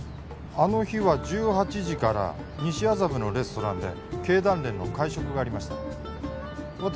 あの日は１８時から西麻布のレストランで経団連の会食がありました